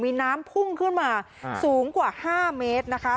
มีน้ำพุ่งขึ้นมาสูงกว่า๕เมตรนะคะ